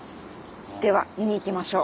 では見に行きましょう。